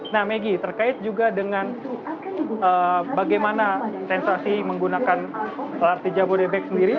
nah maggie terkait juga dengan bagaimana sensasi menggunakan lrt jabodebek sendiri